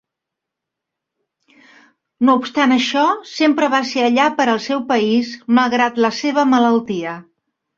No obstant això, sempre va ser allà per al seu país malgrat la seva malaltia.